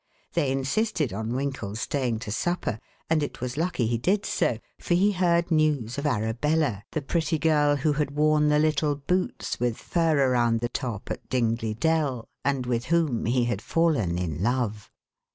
They insisted on Winkle's staying to supper, and it was lucky he did so, for he heard news of Arabella, the pretty girl who had worn the little boots with fur around the top at Dingley Dell, and with whom he had fallen in love.